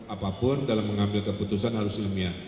apapun dalam mengambil keputusan harus ilmiah